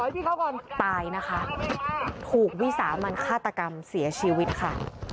ตายนะคะถูกวีสามันฆาตกรรมเสียชีวิตค่ะ